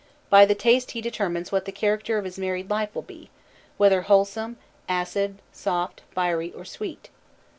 By the taste he determines what the character of his married life will be, whether wholesome, acid, soft, fiery, or sweet.